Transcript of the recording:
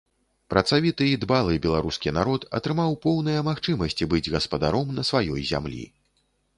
Працавіты і дбалы беларускі народ атрымаў поўныя магчымасці быць гаспадаром на сваёй зямлі.